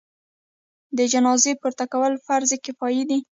د جنازې پورته کول فرض کفایي دی.